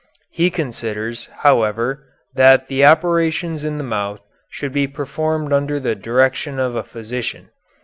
He considers, however, that the operations in the mouth should be performed under the direction of a physician.